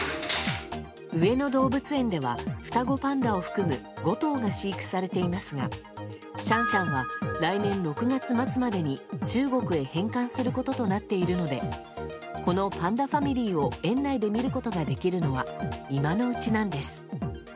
上野動物園では双子パンダを含む５頭が飼育されていますがシャンシャンは来年６月末までに中国へ返還することとなっているのでこのパンダファミリーを園内で見ることができるのは今のうちなんです。